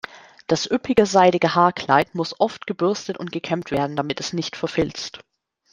Das üppige seidige Haarkleid muss oft gebürstet und gekämmt werden, damit es nicht verfilzt.